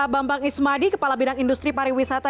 bambang ismadi kepala bidang industri pariwisata